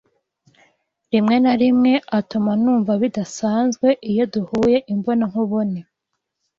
Rimwe na rimwe atuma numva bidasanzwe iyo duhuye imbonankubone.